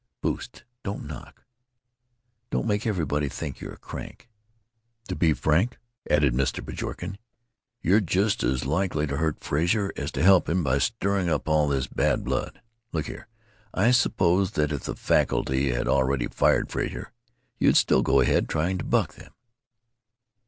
Boost; don't knock! Don't make everybody think you're a crank." "To be frank," added Mr. Bjorken, "you're just as likely to hurt Frazer as to help him by stirring up all this bad blood. Look here. I suppose that if the faculty had already fired Frazer you'd still go ahead trying to buck them."